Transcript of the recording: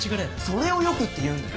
それを「よく」って言うんだよ。